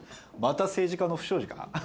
また政治家の不祥事か？